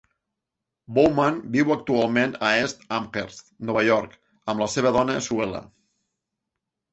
Bowman viu actualment a East Amherst, Nova York, amb la seva dona Suella.